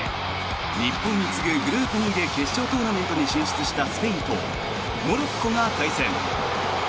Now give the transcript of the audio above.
日本に次ぐグループ２位で決勝トーナメントに進出したスペインとモロッコが対戦。